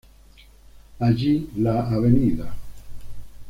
Allí la Av.